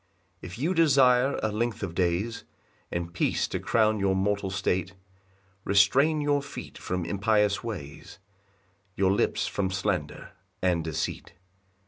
2 If you desire a length of days, And peace to crown your mortal state, Restrain your feet from impious ways, Your lips from slander and deceit.